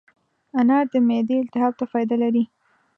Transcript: انار د معدې التهاب ته فایده لري.